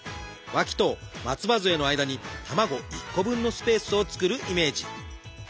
わきと松葉づえの間に卵１個分のスペースを作るイメージ。